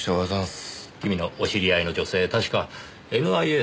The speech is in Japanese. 君のお知り合いの女性確かＮＩＡの方でしたねぇ。